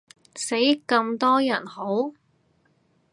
死咁多人好？